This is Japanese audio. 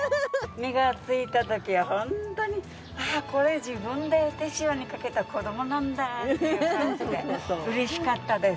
実が付いた時はホントに「ああこれ自分で手塩にかけた子どもなんだ」っていう感じで嬉しかったです。